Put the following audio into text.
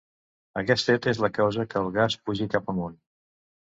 Aquest fet és la causa que el gas pugi cap amunt.